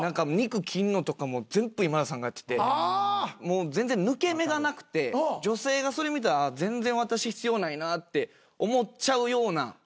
肉切んのとかも全部今田さんがやってて全然抜け目がなくて女性がそれ見たら全然私必要ないなって思っちゃうような。